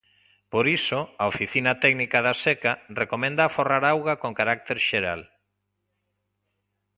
Por iso, a Oficina Técnica da Seca recomenda aforrar auga con carácter xeral.